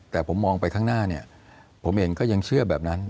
แต่ผมมองไปข้างหน้าเนี่ยผมเองก็ยังเชื่อแบบนั้น